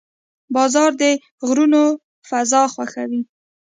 باز د غرونو فضا خوښوي